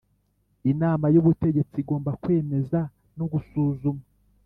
Inama y ubutegetsi igomba kwemeza no gusuzuma